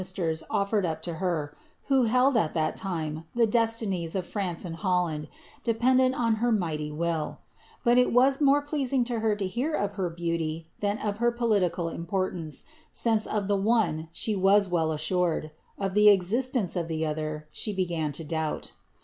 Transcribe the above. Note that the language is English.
isierH offered up lo her, who held, at ihal Ciine, llie desLiniet of France and Holland, dependent on her mighty will ; but il was man pleasing to her to heur of her beauty than of her politics! imporUnU) since of the one she was well assured — of the exiaience of ih« «' she began to doubl.